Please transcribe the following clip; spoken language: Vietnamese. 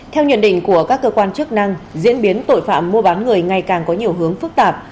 theo nhận định của các cơ quan chức năng diễn biến tội phạm mua bán người ngày càng có nhiều hướng phức tạp